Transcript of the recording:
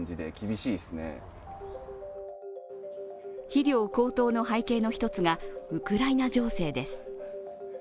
肥料高騰の背景の１つがウクライナ情勢です。